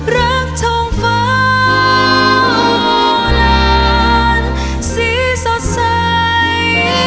รักทองฟ้าลานสีสดใส